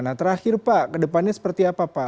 nah terakhir pak kedepannya seperti apa pak